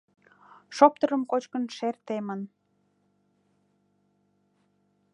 Шоптырым кочкын шер темын